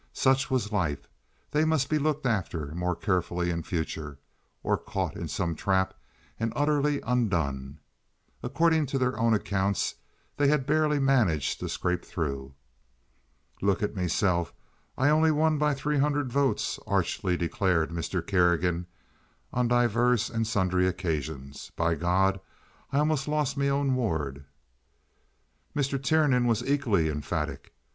Such was life. They must be looked after more carefully in future, or caught in some trap and utterly undone. According to their own accounts, they had barely managed to scrape through. "Look at meself! I only won by three hundred votes," archly declared Mr. Kerrigan, on divers and sundry occasions. "By God, I almost lost me own ward!" Mr. Tiernan was equally emphatic.